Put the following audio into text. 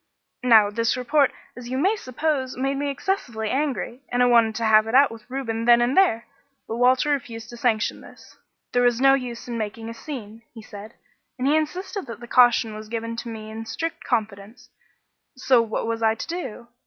"Now this report, as you may suppose, made me excessively angry, and I wanted to have it out with Reuben then and there. But Walter refused to sanction this 'there was no use in making a scene' he said and he insisted that the caution was given to me in strict confidence; so what was I to do?